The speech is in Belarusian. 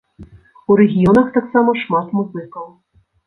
У рэгіёнах таксама шмат музыкаў!